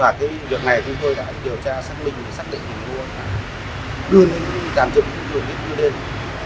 và cái việc này chúng tôi đã điều tra xác định xác định ngô ba khá đưa những giám dựng video clip như thế này